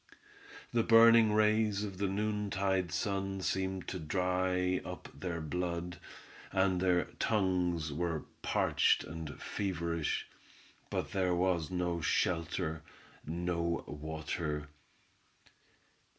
The burning rays of the noontide sun seemed to dry up their blood, and their tongues were parched and feverish, but there was no shelter; no water.